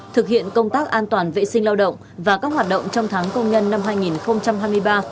thực hiện công tác an toàn vệ sinh lao động và các hoạt động trong tháng công nhân năm hai nghìn hai mươi ba